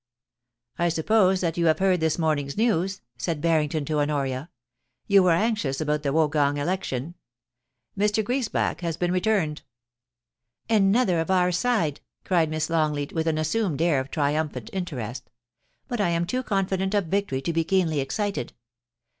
* I suppose that you have heard this morning's news,' said Barrington to Honoria. *You were anxious about the Wogong election. Mr. Griesbach has been returned.' ' Another of our side !' cried Miss Longleat, with an assumed air of triumphant interest * But I am too con fident of victory to be keenly excited.